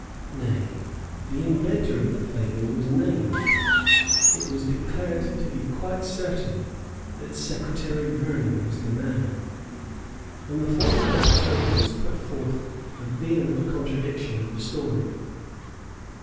Nay, the inventor of the fable was named. It was declared to be quite certain that Secretary Vernon was the man. On the fourth of October was put forth a vehement contradiction of the story.